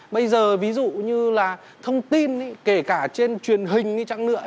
bây giờ ví dụ như là thông tin kể cả trên truyền hình đi chẳng nữa